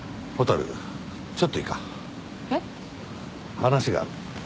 話がある。